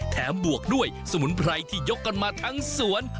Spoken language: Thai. บวกด้วยสมุนไพรที่ยกกันมาทั้งสวน